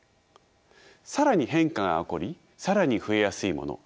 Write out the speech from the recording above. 更に変化が起こり更に増えやすいもの